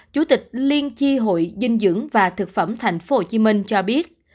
chủ tịch liên tri hội dinh dưỡng và thực phẩm thành phố hồ chí minh cho biết